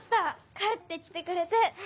帰って来てくれて！